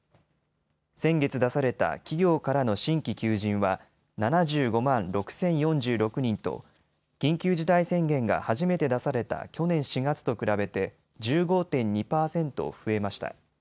先月出された企業からの新規求人は７５万６０４６人と緊急事態宣言が初めて出された去年４月と比べて１５．２％増えました。